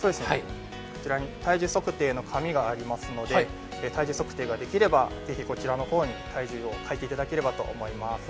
こちらに体重測定の紙がありますので体重測定ができれば、ぜひこちらに体重を書いていただければと思います。